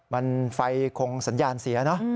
มันไฟคงสัญญาณเสียเนอะ